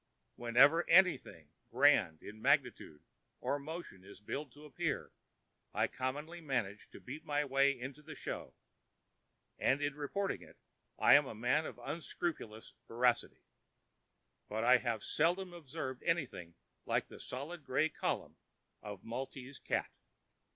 Whenever anything grand in magnitude or motion is billed to appear I commonly manage to beat my way into the show, and in reporting it I am a man of unscrupulous veracity; but I have seldom observed anything like that solid gray column of Maltese cat!